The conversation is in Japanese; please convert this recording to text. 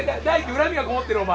恨みがこもってるお前。